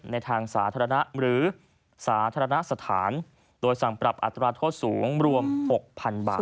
ในทางสาธารณะหรือสาธารณสถานโดยสั่งปรับอัตราโทษสูงรวม๖๐๐๐บาท